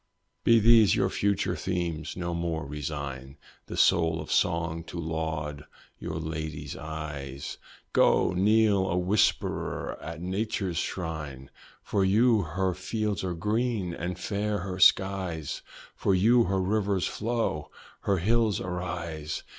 Be these your future themes no more resign The soul of song to laud your lady's eyes; Go! kneel a worshipper at nature's shrine! For you her fields are green, and fair her skies! For you her rivers flow, her hills arise!